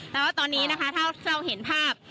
แล้วตอนนี้ถ้าเราเห็นภาพ